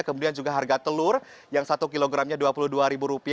kemudian juga harga telur yang satu kilogramnya rp dua puluh dua